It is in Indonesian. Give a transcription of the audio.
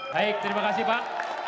baik terima kasih pak